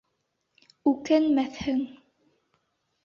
Үкенмәҫһең.